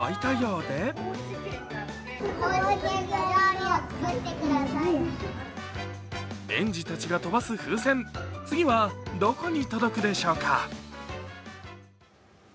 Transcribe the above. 高知への興味がわいたようで園児たちが飛ばす風船次はどこに届くでしょうか？